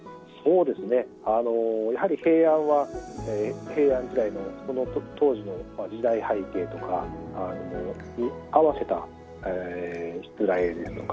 やはり平安は、平安時代のその当時の時代背景に合わせたしつらえですとか